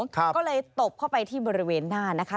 ก็เลยตบเข้าไปที่บริเวณหน้านะคะ